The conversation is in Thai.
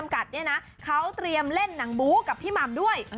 เขาเตรียมเล่นนางบู้กับพี่หม่ำด้วย